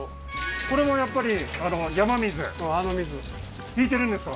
これもやっぱりあの山水あの水引いてるんですか？